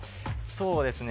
そうですね